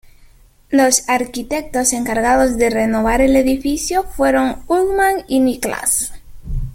Los arquitectos encargados de renovar el edificio fueron Ullman y Niklas.